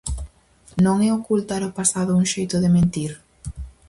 Non é ocultar o pasado un xeito de mentir?